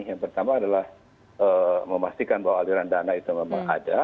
yang pertama adalah memastikan bahwa aliran dana itu memang ada